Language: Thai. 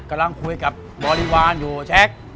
กำลังคุยกับบริวารอยู่แชค